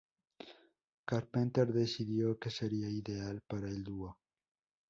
Carpenter decidió que sería ideal para el dúo.